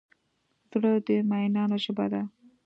زړه د مینانو ژبه ده.